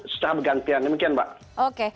setelah bergantian demikian mbak